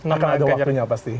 akan ada waktunya pasti